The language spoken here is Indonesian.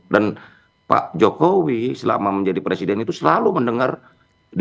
dan pak jokowi selama menjadi presiden itu selalu mendengar dinamika yang terjadi